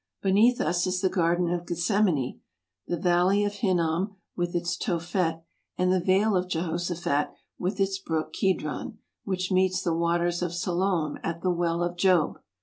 Beneath us is the Garden of Gethsemane, the Valley of Hinnom with its Tophet, and the Vale of Jehoshaphat with its brook Kedron, which meets the waters of Siloam at the Well of Job.